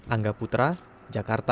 angga putra jakarta